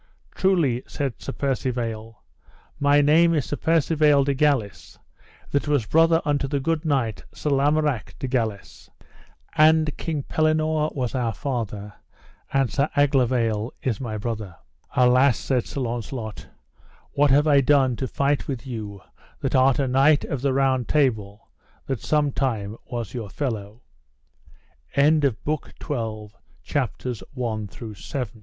Truly, said Sir Percivale, my name is Sir Percivale de Galis, that was brother unto the good knight, Sir Lamorak de Galis, and King Pellinore was our father, and Sir Aglovale is my brother. Alas, said Sir Launcelot, what have I done to fight with you that art a knight of the Round Table, that sometime was your fellow? CHAPTER VIlI. How each of them knew other, and